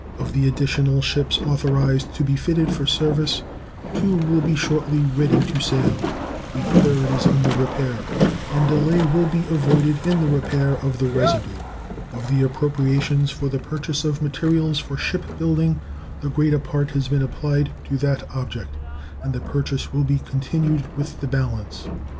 Of the additional ships authorized to be fitted for service, two will be shortly ready to sail, a third is under repair, and delay will be avoided in the repair of the residue. Of the appropriations for the purchase of materials for ship building, the greater part has been applied to that object and the purchase will be continued with the balance.